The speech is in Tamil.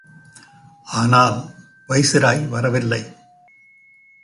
ஆனால் வைசிராய் வரவில்லை.